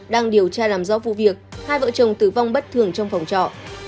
đang điều tra làm rõ vụ việc hai vợ chồng tử vong bất thường trong phòng trọ